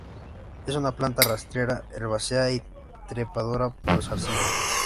Es un planta rastrera, herbácea y trepadora por zarcillos.